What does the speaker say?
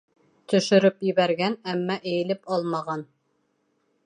Төшөрөп ебәргән, әммә эйелеп алмаған.